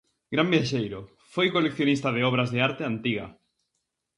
Gran viaxeiro, foi coleccionista de obras de arte antiga.